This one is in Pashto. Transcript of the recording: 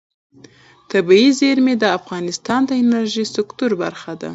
طبیعي زیرمې د افغانستان د انرژۍ سکتور برخه ده.